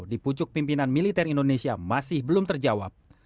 di pucuk pimpinan militer indonesia masih belum terjawab